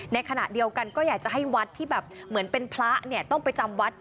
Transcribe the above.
ในขณะเดียวกันก็อยากจะให้วัดที่แบบเหมือนเป็นพระเนี่ยต้องไปจำวัด